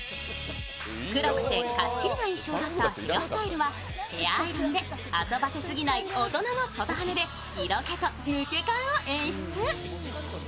黒くてかっちりな印象だったヘアスタイルはヘアアイロンで遊ばせすぎない大人の外はねで色気と抜け感を演出。